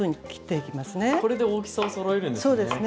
これで大きさをそろえるんですね。